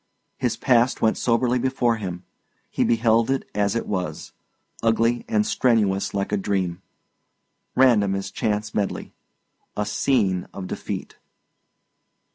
His past went soberly before him; he beheld it as it was, ugly and strenuous like a dream, random as chance medley a scene of defeat.